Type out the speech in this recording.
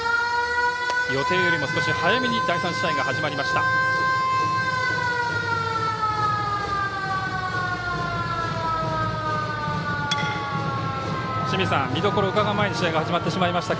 予定よりも早めに第３試合が始まりました。